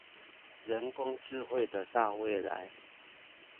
人工智慧的大未來